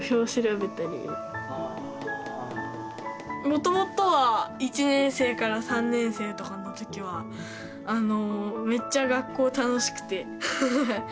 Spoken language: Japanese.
もともとは１年生から３年生とかの時はあのめっちゃ学校楽しくてハハッ。